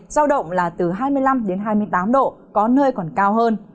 giao động là từ hai mươi năm đến hai mươi tám độ có nơi còn cao hơn